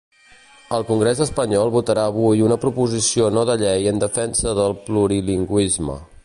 El congrés espanyol votarà avui una proposició no de llei en defensa del plurilingüisme.